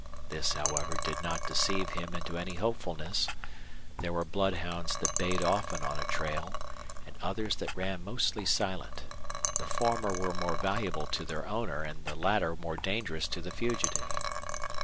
This, however, did not deceive him into any hopefulness. There were bloodhounds that bayed often on a trail, and others that ran mostly silent. The former were more valuable to their owner and the latter more dangerous to the fugitive.